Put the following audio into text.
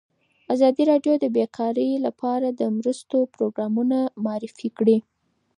ازادي راډیو د بیکاري لپاره د مرستو پروګرامونه معرفي کړي.